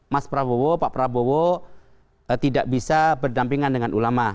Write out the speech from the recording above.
mas prabowo pak prabowo tidak bisa berdampingan dengan ulama